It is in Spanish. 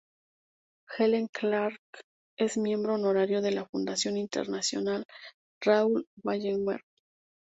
Helen Clark es Miembro Honorario de la Fundación Internacional Raoul Wallenberg.